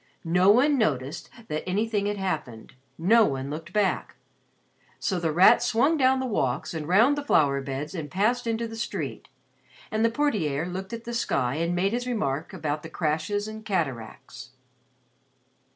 No one noticed that anything had happened; no one looked back. So The Rat swung down the walks and round the flower beds and passed into the street. And the ___portier___ looked at the sky and made his remark about the "crashes" and "cataracts."